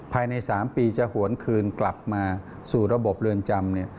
ภายใน๓ปีจะหวนคืนกลับมาสู่ระบบเรือนจำ